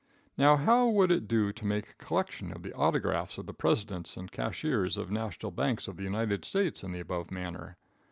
Now, how would it do to make a collection of the signatures of the presidents and cashiers of national banks of the United States in the above manner?